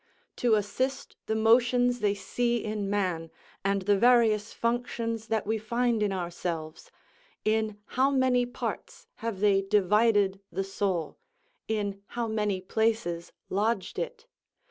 To assist the motions they see in man, and the various functions that we find in ourselves, in how many parts have they divided the soul, in how many places lodged it?